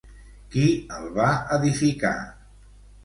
Qui el va edificar?